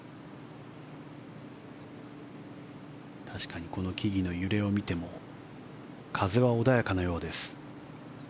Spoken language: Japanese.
確かにこの木々の揺れを見ても風は穏やかなようです。